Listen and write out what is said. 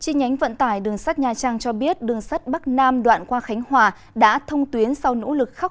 trên nhánh vận tải đường sắt nha trang cho biết đường sắt bắc nam đoạn qua khánh hòa đã thông tuyến sau nỗ lực khóc